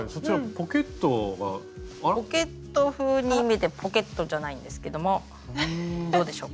ポケット風に見えてポケットじゃないんですけどもどうでしょう？